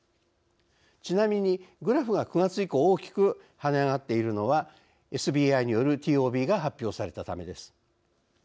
ちなみに、グラフが９月以降大きく跳ね上がっているのはＳＢＩによるＴＯＢが発表されたためです。